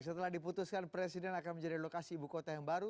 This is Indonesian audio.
setelah diputuskan presiden akan menjadi lokasi ibu kota yang baru